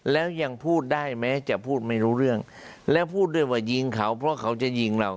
แล้วยังพูดได้แม้จะพูดไม่รู้เรื่องแล้วพูดด้วยว่ายิงเขาเพราะเขาจะยิงเรา